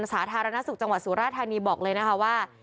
สาธารณสุขจังหวัดสุราธานีบอกเลยนะคะว่า